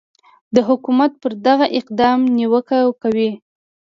د حکومت پر دغه اقدام نیوکه کوي